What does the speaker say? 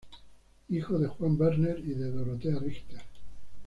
Hijo de Juan Werner y de Dorotea Richter.